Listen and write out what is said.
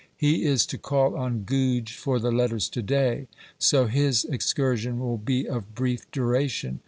He is to call on Goodge for the letters to day; so his excursion will be of brief duration.